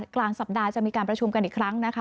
กลางสัปดาห์จะมีการประชุมกันอีกครั้งนะคะ